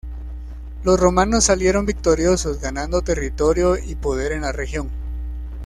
Los romanos salieron victoriosos, ganando territorio y poder en la región.